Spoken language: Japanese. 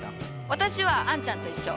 私はあんちゃんと一緒。